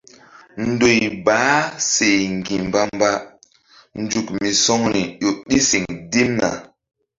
Ndoy baah seh ŋgi̧ mbambazuk misɔŋri ƴo ɗi siŋ dimna.